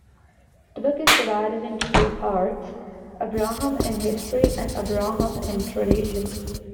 The book is divided into two parts, "Abraham in History" and "Abraham in Tradition".